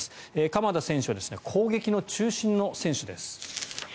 鎌田選手は攻撃の中心の選手です。